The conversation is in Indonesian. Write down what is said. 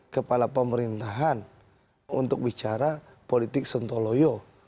kepala pemerintahan untuk bicara politik sontoloyo